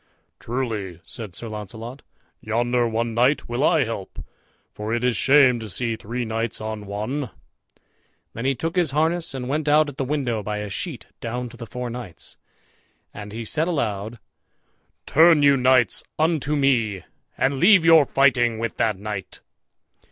"Truly," said Sir Launcelot, "yonder one knight will I help, for it is shame to see three knights on one." Then he took his harness and went out at the window by a sheet down to the four knights; and he said aloud, "Turn you knights unto me, and leave your fighting with that knight."